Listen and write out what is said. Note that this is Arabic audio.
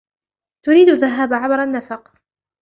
تريد الذهاب عبر النفق ؟